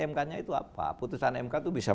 mk nya itu apa putusan mk itu bisa